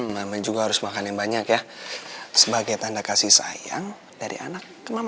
maman juga harus makan yang banyak ya sebagai tanda kasih sayang dari anak mama